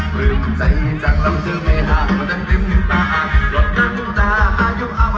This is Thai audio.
ภูมิใจจังแล้วเจอเมฆาะมันจังเต็มถึงตาอัก